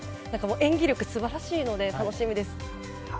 演技力、素晴らしいので楽しみです。